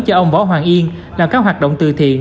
cho ông võ hoàng yên làm các hoạt động từ thiện